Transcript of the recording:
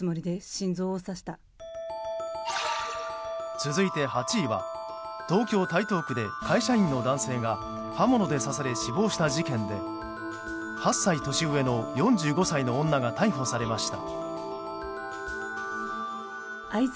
続いて８位は東京・台東区で会社員の男性が刃物で刺され死亡した事件で８歳年上の４５歳の女が逮捕されました。